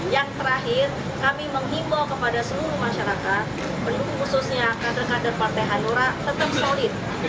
yang terakhir kami menghimbau kepada seluruh masyarakat pendukung khususnya kader kader partai hanura tetap solid